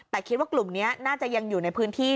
แต่คิดว่ากลุ่มนี้น่าจะยังอยู่ในพื้นที่